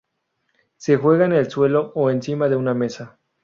Se juega en el suelo o encima de una mesa.